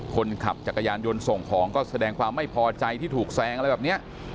คนขับจักรยานยนต์ส่งของก็แสดงความไม่พอใจที่ถูกแซงอะไรแบบนี้